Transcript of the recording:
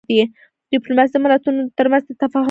ډیپلوماسي د ملتونو ترمنځ د تفاهم بنسټ دی.